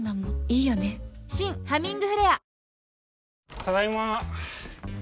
ただいま。